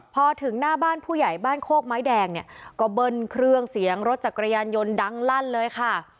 พอถึงหน้าบ้านผู้ใหญ่บ้านโคกไม้แดงเนี่ยก็เบิ้ลเครื่องเสียงรถจักรยานยนต์ดังลั่นเลยค่ะ